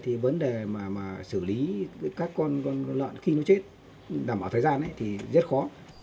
thì vấn đề mà xử lý các con lợn khi nó chết đảm bảo thời gian thì rất khó